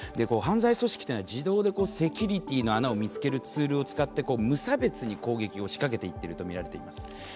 犯罪組織というのは自動でセキュリティーの穴を見つけるツールを使って無差別に攻撃を仕掛けていってるとみられています。